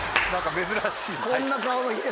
珍しい。